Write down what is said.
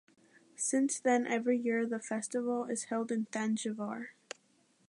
Since then every year the festival is held in Thanjavur.